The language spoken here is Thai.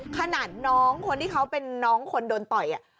ขนาดน้องคนที่เขาเป็นน้องคนโดนต่อย